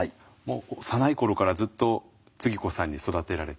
幼い頃からずっとつぎ子さんに育てられて。